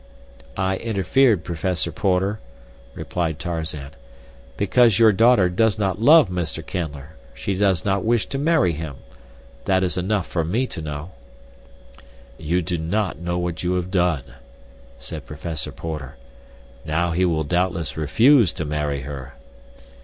"I interfered, Professor Porter," replied Tarzan, "because your daughter does not love Mr. Canler—she does not wish to marry him. That is enough for me to know." "You do not know what you have done," said Professor Porter. "Now he will doubtless refuse to marry her."